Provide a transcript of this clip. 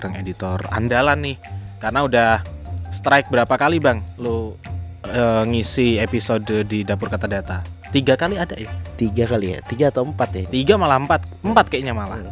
tiga malah empat empat kayaknya malah